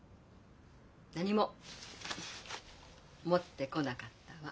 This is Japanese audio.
何も持ってこなかったわ。